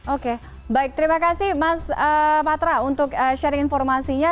oke baik terima kasih mas patra untuk sharing informasinya